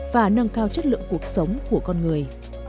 và nâng cao chất lượng cuộc sống của con người